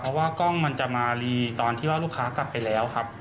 เพราะว่ากล้องมันจะมารีตอนที่ว่าลูกค้ากลับไปแล้วครับ